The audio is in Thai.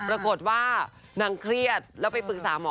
ปรากฏว่านางเครียดแล้วไปปรึกษาหมอ